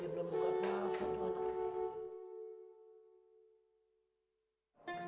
dia belum buat apa apa